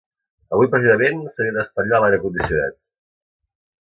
Avui precisament s'havia d'espatllar l'aire condicionat!